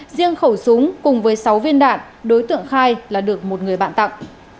riêng khẩu súng cùng với sáu viên đạn đối tượng khai là được một người bạn tặng